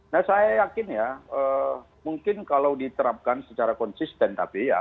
nah saya yakin ya mungkin kalau diterapkan secara konsisten tapi ya